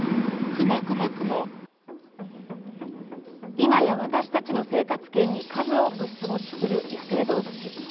今や、私たちの生活圏に数多く出没する野生動物。